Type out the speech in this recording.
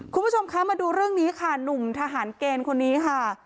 คุณผู้ชมคะมาดูเรื่องนี้ค่ะหนุ่มทหารเกณฑ์คนนี้ค่ะ